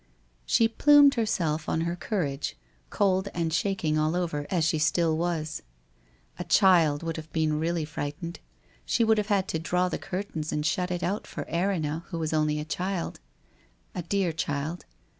She plumed herself on her courage, cold, and shaking all over as she still was. A child would have been really frightened. She would have had to draw the curtains and shut it out for Erinna, who was only a child ... a dear child.